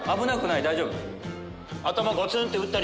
大丈夫？